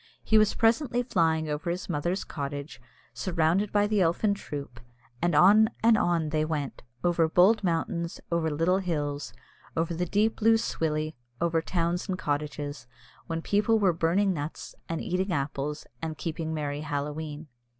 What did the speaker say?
He was presently flying over his mother's cottage, surrounded by the elfin troop, and on and on they went, over bold mountains, over little hills, over the deep Lough Swilley, over towns and cottages, when people were burning nuts, and eating apples, and keeping merry Halloween.